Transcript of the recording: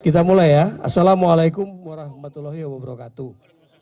kita mulai ya assalamualaikum warahmatullahi wabarakatuh